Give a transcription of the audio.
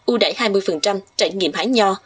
ưu đại hai mươi trải nghiệm hái nho